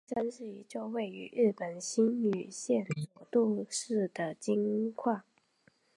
佐渡金山是一座位于日本新舄县佐渡市的金矿。